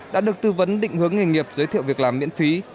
đã được tư vấn định hướng nghề nghiệp giới thiệu việc làm miễn phí